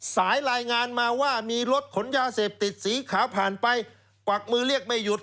สายรายงานมาว่ามีรถขนยาเสพติดสีขาวผ่านไปกวักมือเรียกไม่หยุด